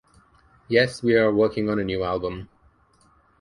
Yes, we are working on a new album!